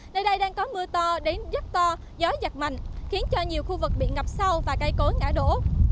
nơi đây đang có mưa to đến rất to gió giật mạnh khiến cho nhiều khu vực bị ngập sâu và cây cối ngã đổ